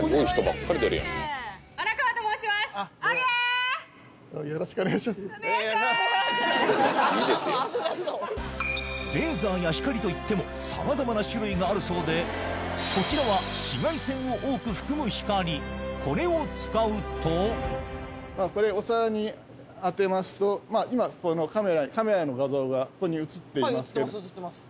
荒川と申しますお願いしまーす危なそう危なそうレーザーや光といっても様々な種類があるそうでこちらは紫外線を多く含む光これを使うとこれお皿に当てますとまあ今そのカメラの画像がここに映っていますけど映ってます